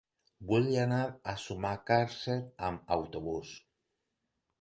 Vull anar a Sumacàrcer amb autobús.